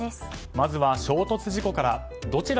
まずは衝突事故から。